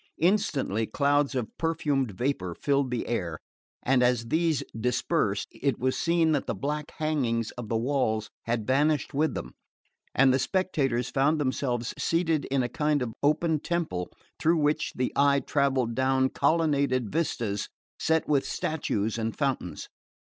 Instantly clouds of perfumed vapour filled the air, and as these dispersed it was seen that the black hangings of the walls had vanished with them, and the spectators found themselves seated in a kind of open temple through which the eye travelled down colonnaded vistas set with statues and fountains.